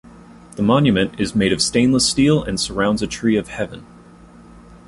The monument is made of stainless steel and surrounds a tree of heaven.